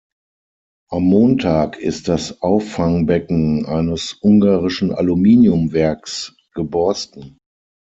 Am Montag ist das Auffangbecken eines ungarischen Aluminiumwerks geborsten.